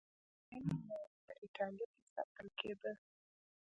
نوې ناوې په اېټالیا کې ساتل کېده